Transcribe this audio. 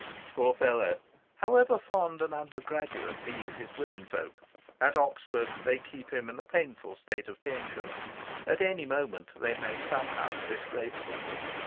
Poor fellow! However fond an undergraduate be of his womenfolk, at Oxford they keep him in a painful state of tension: at any moment they may somehow disgrace him.